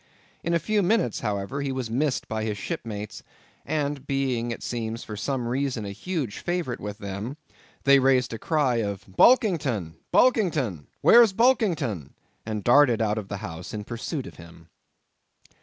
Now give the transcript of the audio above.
In a few minutes, however, he was missed by his shipmates, and being, it seems, for some reason a huge favourite with them, they raised a cry of "Bulkington! Bulkington! where's Bulkington?" and darted out of the house in pursuit of him.